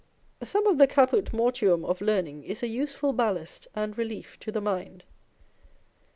Some of the caput mortuum of learning is a useful ballast and relief to the mind.